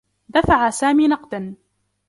دفع سامي نقدا.